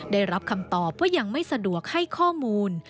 ได้รับคำตอบว่ายังไม่สะดวกให้ข้อมูล